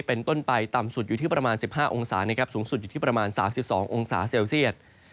เป็นต้นไปต่ำสุดอยู่ที่ประมาณ๑๕องศาสูงสุดอยู่ที่ประมาณ๓๒องศาเซลเซียต